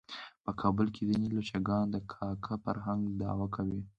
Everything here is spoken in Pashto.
په کابل کې ځینې لچکان د کاکه فرهنګ دعوه کوي.